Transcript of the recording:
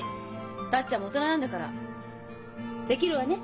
達ちゃんも大人なんだからできるわね？